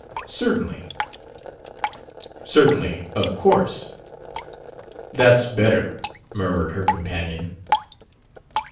'" "Certainly." "'Certainly,' of course." "That's better," murmured her companion.